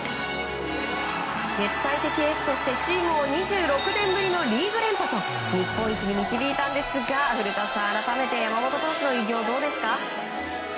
絶対的エースとして、チームを２６年ぶりのリーグ連覇と日本一に導いたんですが古田さん山本投手の偉業改めてどうですか？